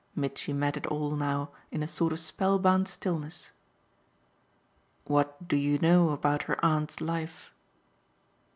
Mitchy met it all now in a sort of spellbound stillness. "What do you know about her aunt's life?"